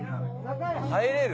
入れる？